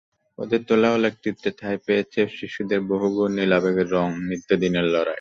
ওদের তোলা আলোকচিত্রে ঠাঁই পেয়েছে শিশুদের বহু বর্ণিল আবেগের রং, নিত্যদিনের লড়াই।